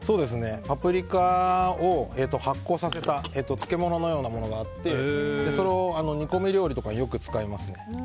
パプリカを発酵させた漬物のようなものがあってそれを煮込み料理とかによく使いますね。